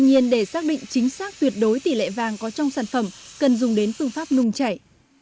tuy nhiên để xác định chính xác tuyệt đối tỷ lệ vàng có trong sản phẩm cần dùng đến phương pháp nung chảy